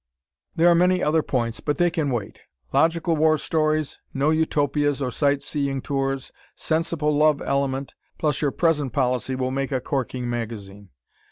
There are many other points but they can wait. Logical war stories, no Utopias or sight seeing tours, sensible love element, plus your present policy will make a corking magazine.